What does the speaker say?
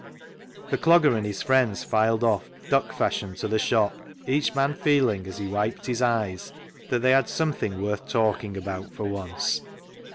The Clogger and his friends filed off, duck fashion, to the shop, each man feeling as he wiped his eyes that they had something worth talking about for once.